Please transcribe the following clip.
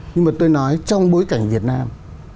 nhưng mà tôi nói trong bối cảnh việt nam